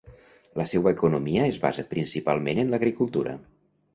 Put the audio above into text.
La seua economia es basa principalment en l'agricultura.